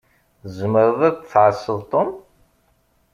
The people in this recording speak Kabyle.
Tzemṛeḍ ad tɛasseḍ Tom?